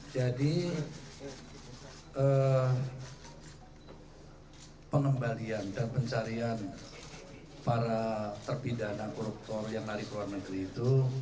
jadi pengembalian dan pencarian para terpidana koruptor yang dari luar negeri itu